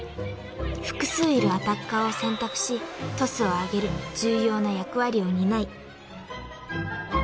［複数いるアタッカーを選択しトスを上げる重要な役割を担い］